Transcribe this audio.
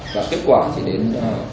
và kết quả thì đến